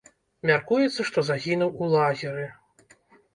Мяркуецца, што загінуў у лагеры.